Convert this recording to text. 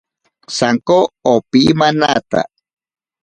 Sanko opimanata.